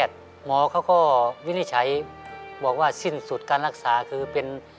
จนกลับให้หมอดูอาการอีกครั้งหนึ่ง